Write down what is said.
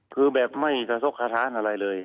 คือแบบไม่สะทกสถานอะไรเลย